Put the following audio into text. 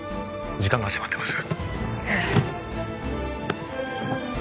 時間が迫ってます